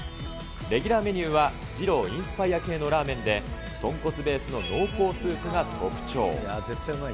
レギュラーメニューは、二郎インスパイア系のラーメンで、豚骨ベースの濃厚スープが特徴。